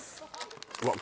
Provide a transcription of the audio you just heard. うわっ